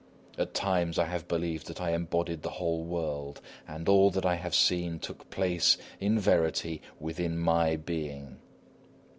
At times I have believed that I embodied the whole world, and all that I have seen took place, in verity, within my being.